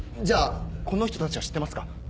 じゃあこの人たちは知ってますか？